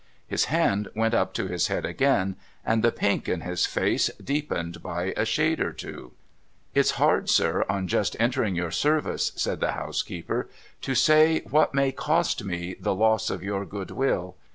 His hand went up to his head again, and the pink in his face deepened by a shade or two. 'It's hard, sir, on just entering your service,' said the house keeper, ' to say what may cost me the loss of your good will.